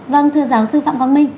vâng thưa giáo sư phạm quang minh